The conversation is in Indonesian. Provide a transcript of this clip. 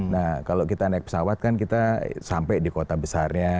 nah kalau kita naik pesawat kan kita sampai di kota besarnya